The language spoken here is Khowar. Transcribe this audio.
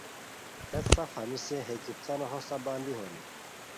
ہیت سف ہنیسے ہے کپتانو ہوستہ بندی ہونی